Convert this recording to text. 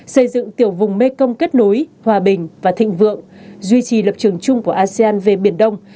xây dựng tiểu vùng mekong kết nối hòa bình và thịnh vượng duy trì lập trường chung của asean về biển đông